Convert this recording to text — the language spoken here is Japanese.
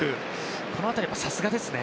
この辺り、さすがですね。